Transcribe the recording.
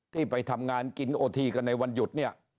ที่ไปทำงานกินโอทีกันในวันหยุดเนี่ย